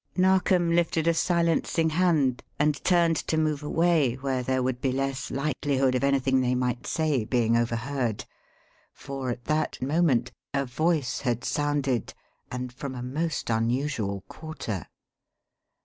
Narkom lifted a silencing hand and turned to move away where there would be less likelihood of anything they might say being overheard; for at that moment a voice had sounded and from a most unusual quarter.